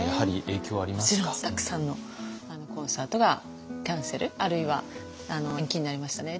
たくさんのコンサートがキャンセルあるいは延期になりましたね。